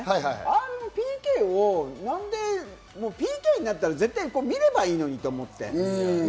あのＰＫを、なんでＰＫになったら絶対見ればいいのにと思って。